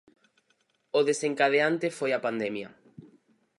O desencadeante foi a pandemia.